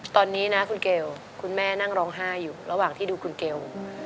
ตอนนี้นะคุณเกลคุณแม่นั่งร้องไห้อยู่ระหว่างที่ดูคุณเกล